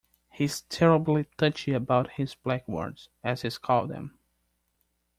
He's terribly touchy about his black wards, as he calls them.